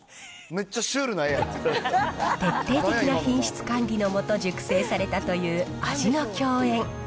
徹底的な品質管理の下、熟成されたという味の饗宴。